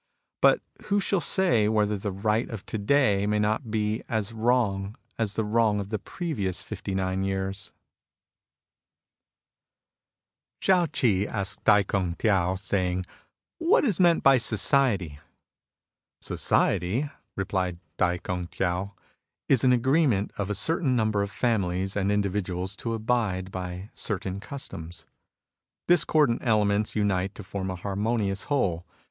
But who shall say whether the right 106 MUSINGS OF A CHINESE MYSTIC of to day may not be as wrong as the wrong of the previous fifty nine years ? Shao Chih asked Tai Kung Tiao, saying :" What is meant by society ?"" Society," replied Tai Kimg Tiao, '' is an agreement of a certain number of families and individuals to abide by certain customs. Dis cordant elements unite to form a harmonious whole.